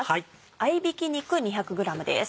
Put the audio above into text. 合びき肉２００ｇです。